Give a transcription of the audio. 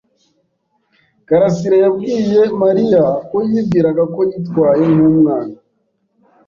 Karasirayabwiye Mariya ko yibwiraga ko yitwaye nkumwana.